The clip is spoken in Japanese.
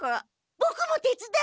ボクもてつだう！